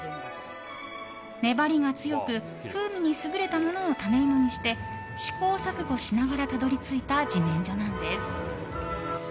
粘りが強く風味に優れたものを種芋にして試行錯誤しながらたどり着いた自然薯なんです。